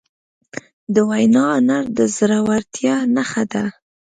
د وینا هنر د زړهورتیا نښه ده.